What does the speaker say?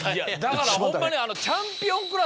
だからホンマに。